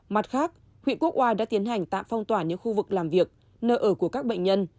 mặt khác huyện quốc oai đã tiến hành tạm phong tỏa những khu vực làm việc nơi ở của các bệnh nhân